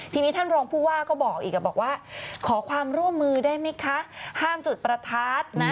ทีนี้ท่านรองผู้ว่าก็บอกอีกบอกว่าขอความร่วมมือได้ไหมคะห้ามจุดประทัดนะ